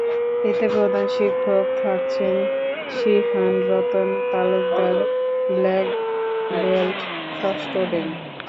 এতে প্রধান প্রশিক্ষক থাকছেন shihan Ratan Talukdar, black belt, ষষ্ঠ ডেন।